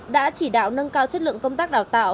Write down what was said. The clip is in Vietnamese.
đã chỉ đạo nâng cao chất lượng công tác đào tạo